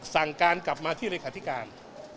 สั่งการกลับมาที่เลขาธิการ